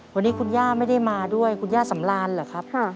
วันนี้คุณย่าไม่ได้มาด้วยคุณย่าสำรานเหรอครับ